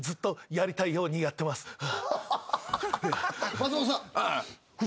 松本さん。